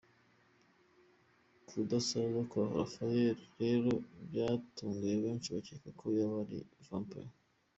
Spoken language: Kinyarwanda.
Kudasaza kwa Pharrel rero kwatumye benshi bakeka ko yaba ari vampire.